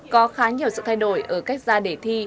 có khá nhiều sự thay đổi ở cách ra đề thi